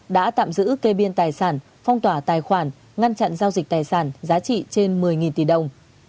đã tạm giữ kê biên tài sản phong tỏa tài khoản ngăn chặn giao dịch tài sản giá trị trên một mươi tỷ đồng